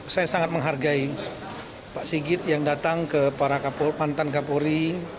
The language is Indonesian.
saya sangat menghargai pak sigit yang datang ke para mantan kapolri